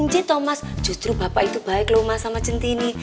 benci thomas justru bapak itu baik loh mas sama jentini